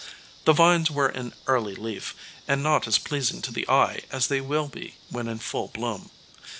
The vines were in early leaf, and not as pleasing to the eye as they will be when in full bloom.